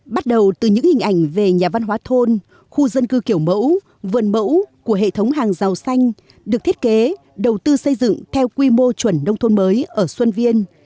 bắt đầu từ những hình ảnh về nhà văn hóa thôn khu dân cư kiểu mẫu vườn mẫu của hệ thống hàng rào xanh được thiết kế đầu tư xây dựng theo quy mô chuẩn nông thôn mới ở xuân viên